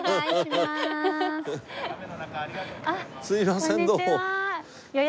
すいませんどうも。